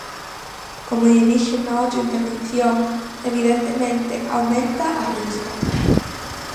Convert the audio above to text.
Como lle dixen na outra intervención, evidentemente aumenta a Risga.